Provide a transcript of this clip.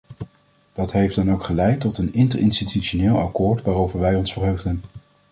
Dat heeft dan ook geleid tot een interinstitutioneel akkoord waarover wij ons verheugden.